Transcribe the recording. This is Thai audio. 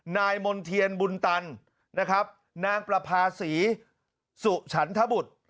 มณ์เทียนบุญตันนะครับนางประภาษีสุฉันทบุตร